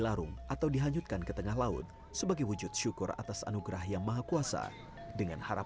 pertunjukan kesenian tradisional di malam hari